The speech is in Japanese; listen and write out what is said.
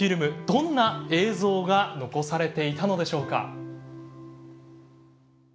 どんな映像が残されていたのでしょうか？